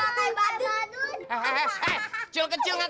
mami panjung gua kayak badut